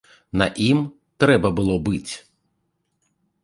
На ім трэба было быць.